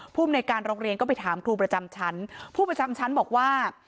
ภูมิในการโรงเรียนก็ไปถามครูประจำชั้นผู้ประจำชั้นบอกว่า